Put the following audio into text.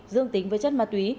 dương tính với chất ma túy